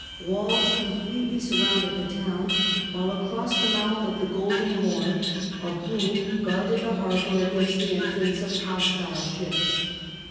Walls com pletely surrounded the town, while across the mouth of the Golden Horn a boom guarded the harbour against the entrance of hostile ships.